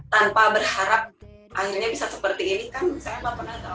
tanpa berharap akhirnya bisa seperti ini kan saya nggak pernah tahu